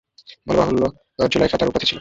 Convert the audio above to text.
বলাবাহুল্য, যুলায়খা তার উপাধি ছিল।